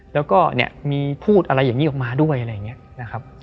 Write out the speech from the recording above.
แล้วก็เนี่ยมีพูดอะไรอย่างนี้ออกมาด้วยอะไรอย่างนี้นะครับ